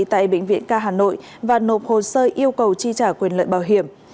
tại bệnh viện ca hà nội và nộp hồ sơ yêu cầu chi trả quyền lợi bảo hiểm